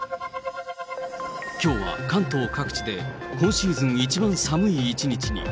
きょうは関東各地で今シーズン一番寒い一日に。